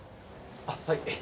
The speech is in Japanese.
あっはい。